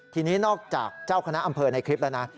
ทีนี้นอกจากเจ้าคณะอำเภอในคลิปแล้วนะ